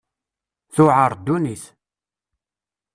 Tuɛer ddunit.